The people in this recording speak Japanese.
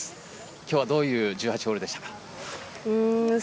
今日はどういう１８ホールでしたか？